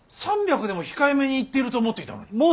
３００でも控えめに言っていると思っていたのに。